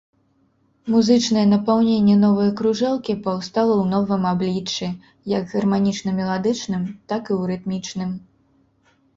Музычнае напаўненне новай кружэлкі паўстала ў новым абліччы, як гарманічна-меладычным, так і ў рытмічным.